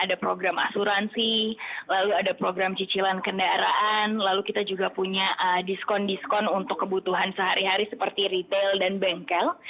ada program asuransi lalu ada program cicilan kendaraan lalu kita juga punya diskon diskon untuk kebutuhan sehari hari seperti retail dan bengkel